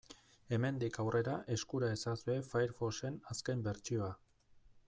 Hemendik aurrera eskura ezazue Firefoxen azken bertsioa.